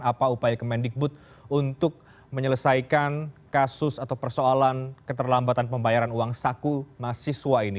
apa upaya kemendikbud untuk menyelesaikan kasus atau persoalan keterlambatan pembayaran uang saku mahasiswa ini